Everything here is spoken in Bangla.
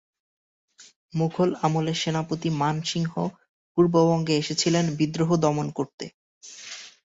মুঘল আমলে সেনাপতি মানসিংহ পূর্ববঙ্গে এসেছিলেন বিদ্রোহ দমন করতে।